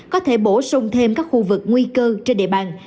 có thể bổ sung thêm các khu vực nguy cơ trên địa bàn